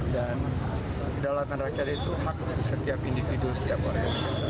dan kedaulatan rakyat itu hak setiap individu setiap warga